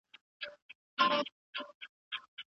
ژوند د الله لویه ډالۍ ده.